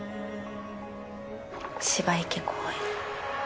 芝池公園